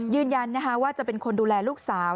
ยืนยันว่าจะเป็นคนดูแลลูกสาว